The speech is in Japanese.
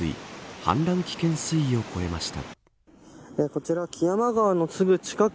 氾濫危険水位を超えました。